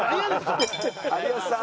「有吉さん！」